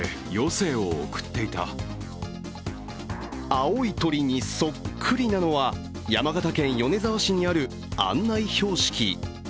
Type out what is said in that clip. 青い鳥にそっくりなのは山形県米沢市にある案内標識。